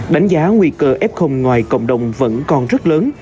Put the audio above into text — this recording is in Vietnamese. đánh giá nguy cơ f ngoài cộng đồng vẫn còn rất lớn